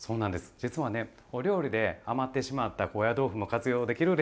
実はねお料理で余ってしまった高野豆腐も活用できるレシピなんですよ。